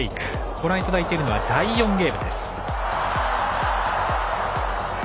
ご覧いただいてる脳は第４ゲームです。